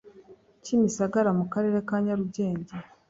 Kimisagara mu Karere ka Nyarugenge